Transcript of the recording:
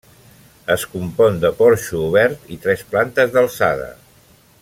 Es compon de porxo obert i tres plantes d'alçada.